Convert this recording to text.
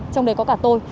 trong đấy có cả tôi